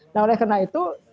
nah oleh karena itu